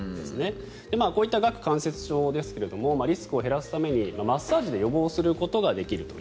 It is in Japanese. こういった顎関節症ですがリスクを減らすためにマッサージで予防することができると。